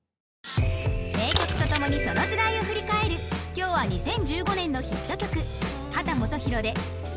［今日は２０１５年のヒット曲］